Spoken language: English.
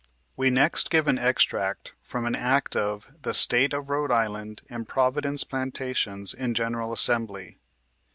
We next give an extract from an act of the " State of Rhode Island and Providence Plantations, in General Assembly.